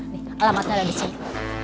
nih alamatnya ada di sini